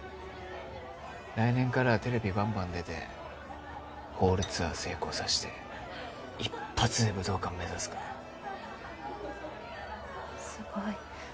来年からはテレビバンバン出てホールツアー成功させて一発で武道館目指すからすごい。